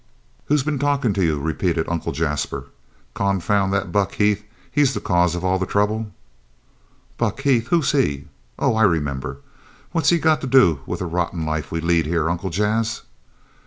"Who's been talkin' to you?" repeated Uncle Jasper. "Confound that Buck Heath! He's the cause of all the trouble!" "Buck Heath! Who's he? Oh, I remember. What's he got to do with the rotten life we lead here, Uncle Jas?"